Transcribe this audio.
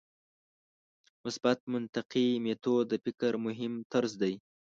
مثبت منطقي میتود د فکر مهم طرز دی.